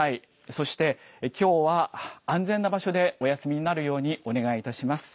そしてきょうは安全な場所でお休みになるようにお願いいたします。